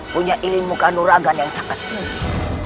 punya ilmu kanuragan yang sangat tinggi